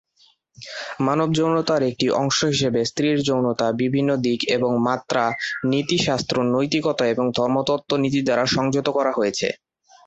মানব যৌনতার একটি অংশ হিসাবে স্ত্রীর যৌনতা বিভিন্ন দিক এবং মাত্রা, নীতিশাস্ত্র, নৈতিকতা, এবং ধর্মতত্ত্ব নীতি দ্বারা সংযত করা হয়েছে।